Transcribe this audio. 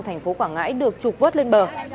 thành phố quảng ngãi được trục vớt lên bờ